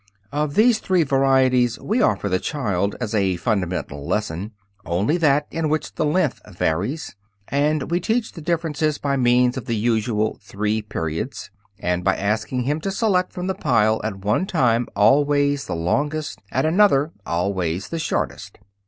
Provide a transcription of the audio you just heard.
Of these three varieties we offer the child as a fundamental lesson only that in which the length varies, and we teach the differences by means of the usual "three periods," and by asking him to select from the pile at one time always the "longest," at another always the "shortest."